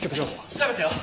調べたよ！